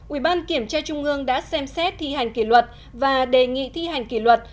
ba ubkc đã xem xét thi hành kỷ luật và đề nghị thi hành kỷ luật